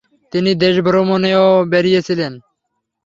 তিনি দেশভ্রমণেও বেরিয়েছিলেন।